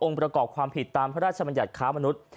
องค์ประกอบความผิดตามราชบัญญัติข้ามนุษย์